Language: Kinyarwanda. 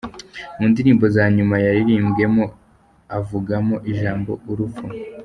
Mu ndirimbo za nyuma yaririmbyemo avugamo ijambo ‘Urupfu’